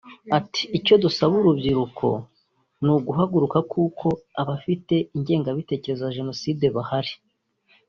Ati “Icyo dusaba urubyiruko ni uguhaguruka kuko abafite ingengabitekerezo ya Jenoside barahari